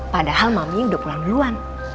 padahal mami udah pulang duluan